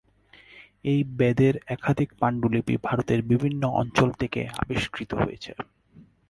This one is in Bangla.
এই বেদের একাধিক পাণ্ডুলিপি ভারতের বিভিন্ন অঞ্চল থেকে আবিষ্কৃত হয়েছে।